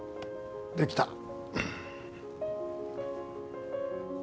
できた。